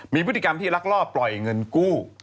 มีพฤติกรรมที่ลักลอบปล่อยเงินกู้